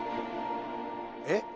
えっ？